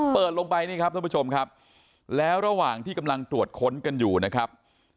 เปิดลงไปนี่ครับท่านผู้ชมครับแล้วระหว่างที่กำลังตรวจค้นกันอยู่นะครับ